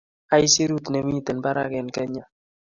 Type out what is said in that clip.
isurut nemiten barak en kenya